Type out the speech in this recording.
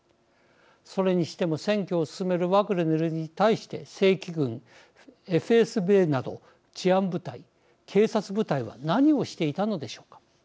それにしても占拠を進めるワグネルに対して正規軍ＦＳＢなど治安部隊警察部隊は何をしていたのでしょうか。